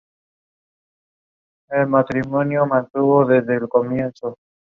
Tuvo como discípulo a Adelardo de Bath.